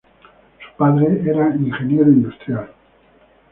Su padre era ingeniero industrial.